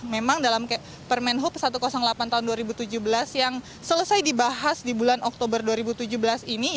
memang dalam permen hub satu ratus delapan tahun dua ribu tujuh belas yang selesai dibahas di bulan oktober dua ribu tujuh belas ini